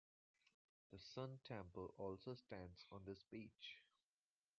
The sun temple also stands on this beach.